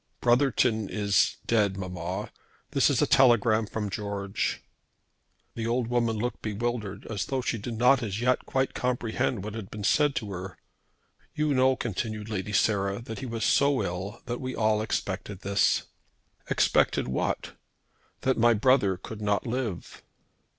"Brotherton is dead, mamma. This is a telegram from George." The old woman looked bewildered, as though she did not as yet quite comprehend what had been said to her. "You know," continued Lady Sarah, "that he was so ill that we all expected this." "Expected what?" "That my brother could not live."